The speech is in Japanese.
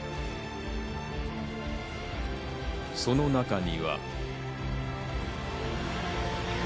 その中には。